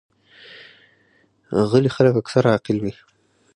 غلي خلک اکثره عاقل وي.